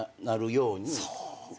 そう。